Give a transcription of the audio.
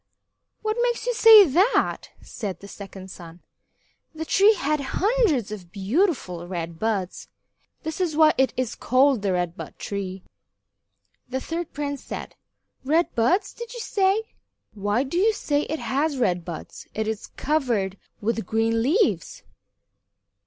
"What makes you say that?" said the second son. "The tree has hundreds of beautiful red buds. This is why it is called the Red Bud Tree." The third prince said: "Red buds, did you say? Why do you say it has red buds? It is covered with green leaves."